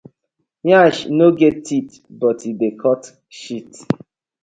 Yansh no get teeth but e dey cut shit: